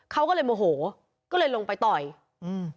เขาก็เลยโมโหก็เลยลงไปต่อยอืม